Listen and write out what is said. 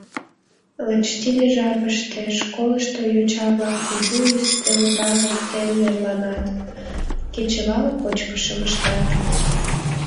Лач тиде жапыште школышто йоча-влак кужу ӱстелда воктен верланат, кечывал кочкышым ыштат.